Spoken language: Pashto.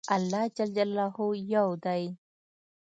الله ج يو دی